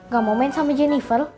gak mau main sama jennifel